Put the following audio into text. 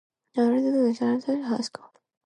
He also lectured at Harvard Divinity School.